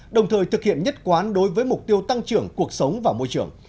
đồng thời thực hiện nhất quán đối với mục tiêu tăng trưởng cuộc sống và môi trường